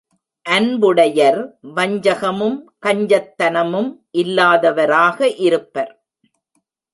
அன்புடையர் வஞ்சகமும் கஞ்சத்தனமும் இல்லாதவராக இருப்பர்.